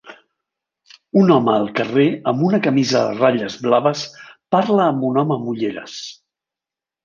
Un home al carrer amb una camisa de ratlles blaves parla amb un home amb ulleres.